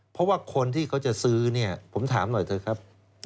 เพราะว่าคนที่เขาจะซื้อเนี่ยผมถามหน่อยเถอะครับ